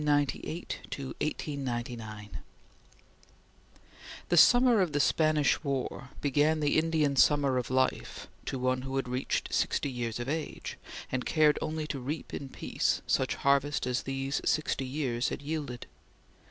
CHAPTER XXIV INDIAN SUMMER (1898 1899) The summer of the Spanish War began the Indian summer of life to one who had reached sixty years of age, and cared only to reap in peace such harvest as these sixty years had yielded.